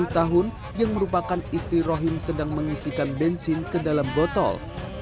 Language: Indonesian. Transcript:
sepuluh tahun yang merupakan istri rohim sedang mengisikan bensin ke dalam botol